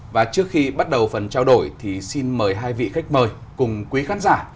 và trước khi bắt đầu phần trao đổi thì xin mời hai vị khách mời cùng quý khán giả